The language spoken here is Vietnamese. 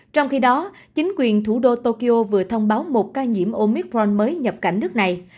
trong khi đó chính quyền thủ đô tokyo vừa thông báo một ca nhiễm omicron mới nhập cảnh nước này